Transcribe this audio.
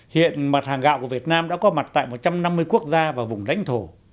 hiện mặt hàng gạo của việt nam đã có mặt tại một trăm năm mươi quốc gia và vùng lãnh thổ